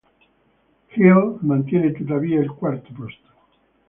Hill mantiene tuttavia il quarto posto.